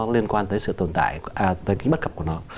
liên quan tới sự tồn tại tới kính bất cập của nó